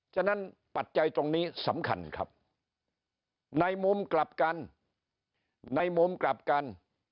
ฉะนั้นปัจจัยตรงนี้สำคัญครับในมุมกลับกันในมุมกลับกัน